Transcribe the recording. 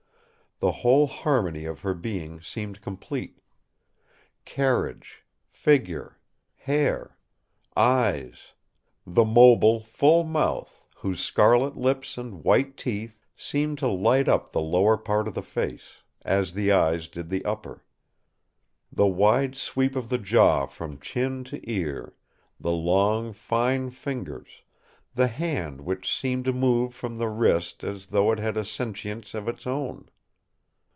The whole harmony of her being seemed complete. Carriage, figure, hair, eyes; the mobile, full mouth, whose scarlet lips and white teeth seemed to light up the lower part of the face—as the eyes did the upper; the wide sweep of the jaw from chin to ear; the long, fine fingers; the hand which seemed to move from the wrist as though it had a sentience of its own.